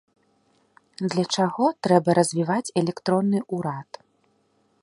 Для чаго трэба развіваць электронны ўрад.